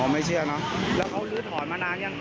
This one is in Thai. ไม่เชื่อนะ